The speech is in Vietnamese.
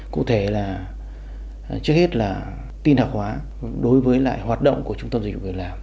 cụ thể là trước hết là tin học hóa đối với lại hoạt động của trung tâm dịch vụ việc làm